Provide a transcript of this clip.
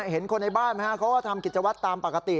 เห็นคนในบ้านไหมฮะเขาก็ทำกิจวัตรตามปกติ